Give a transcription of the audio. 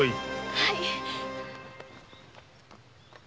はい。